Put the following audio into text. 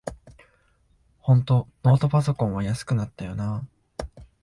ほんとノートパソコンは安くなったよなあ